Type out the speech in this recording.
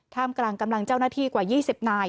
กำลังเจ้าหน้าที่กว่า๒๐นาย